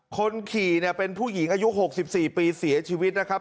คนขี่เนี่ยเป็นผู้หญิงอายุ๖๔ปีเสียชีวิตนะครับ